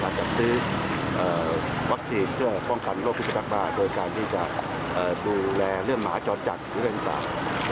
ไปเกี่ยวกับเรื่องโรคพิษสุนัขบ้านะครับ